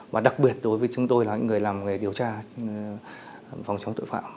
và đặc biệt đối với chúng tôi là những người làm nghề điều tra phòng chống tội phạm